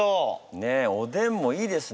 ねえおでんもいいですね。